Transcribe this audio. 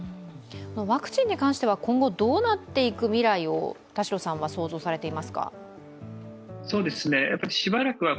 ワクチンに関しては今後どうなっていく未来を田代さんは想像されていらっしゃいますか？